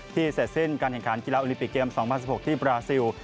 เสร็จสิ้นการแข่งขันกีฬาโอลิมปิกเกม๒๐๑๖ที่บราซิล